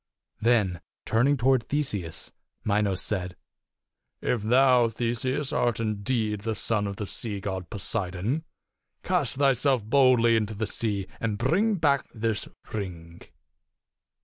Then turning toward Theseus, Minos said, " If thou, Theseus, art indeed the son of the sea god, Poseidon, cast thyself boldly into the sea and bring back this ring."